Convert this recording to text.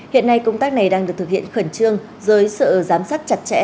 hiện nay công tác này đang được thực hiện khẩn trương dưới sự giám sát chặt chẽ